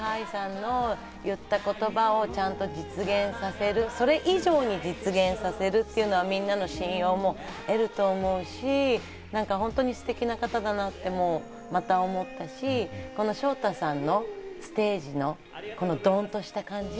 やっぱりＳＫＹ−ＨＩさんの言った言葉をちゃんと実現させる、それ以上に実現させるっていうのはみんなの信用も得ると思うし、本当にステキな方だなってまた思ったし、このＳＨＯＴＡさんのステージのドンとした感じ。